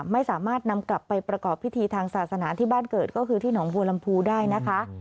ไม่สามารถนำกลับไปประกอบพิธีทางศาสนาที่บ้านเกิดก็คือที่หนองบัวลำพูได้นะคะ